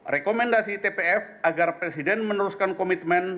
rekomendasi tpf agar presiden meneruskan komitmen